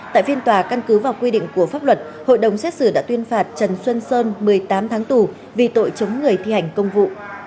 tại phiên tòa căn cứ vào quy định của pháp luật hội đồng xét xử đã tuyên phạt trần xuân sơn một mươi tám tháng tù vì tội chống người thi hành công vụ